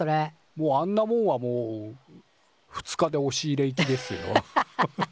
もうあんなもんはもう２日でおし入れいきですよ。